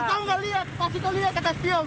kalau kamu nggak lihat pasti kau lihat kaca spion